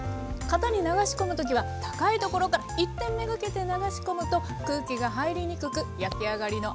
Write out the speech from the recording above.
型に流し込む時は高いところから一点めがけて流し込むと空気が入りにくく焼き上がりの穴を防げます。